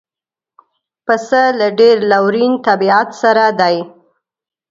پسه له ډېر لورین طبیعت سره دی.